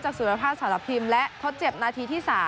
สุรภาษสารพิมพ์และทดเจ็บนาทีที่๓